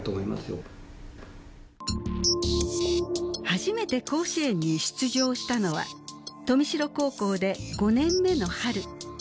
初めて甲子園に出場したのは豊見城高校で５年目の春。